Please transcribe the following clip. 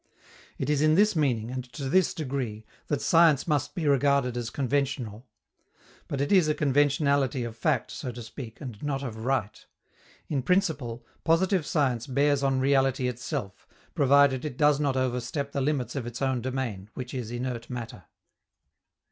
It is in this meaning, and to this degree, that science must be regarded as conventional. But it is a conventionality of fact so to speak, and not of right. In principle, positive science bears on reality itself, provided it does not overstep the limits of its own domain, which is inert matter.